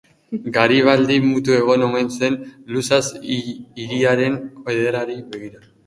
Garibaldi mutu egon omen zen luzaz hiriaren ederrari begira.